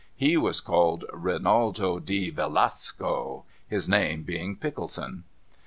He was called Rinaldo di Velasco, his name being Pickleson.